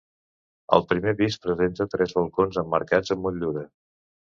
El primer pis presenta tres balcons emmarcats amb motllura.